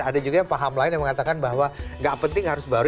ada juga yang paham lain yang mengatakan bahwa gak penting harus baru